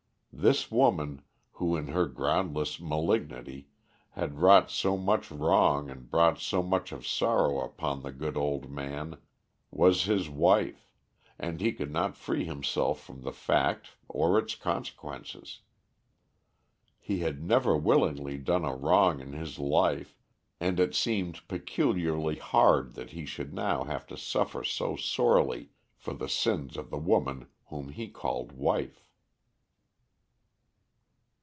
This woman, who, in her groundless malignity, had wrought so much wrong and brought so much of sorrow upon the good old man, was his wife, and he could not free himself from the fact or its consequences. He had never willingly done a wrong in his life, and it seemed peculiarly hard that he should now have to suffer so sorely for the sins of the woman whom he called wife.